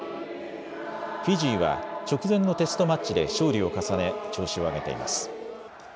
フィジーは直前のテストマッチで勝利を重ね調子を上げています。